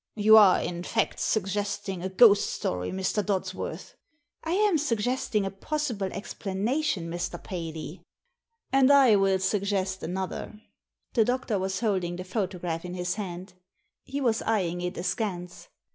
'^You are, in fact, suggesting a ghost story, Mr. Dodsworth." "I am suggesting a possible explanation, Mr. Paley." "And I will suggest another." The doctor was holding the photograph in his hand. He was eyeing it askance.